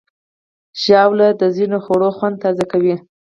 ژاوله د ځینو خوړو خوند تازه کوي.